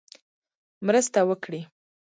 مرسته وکړي.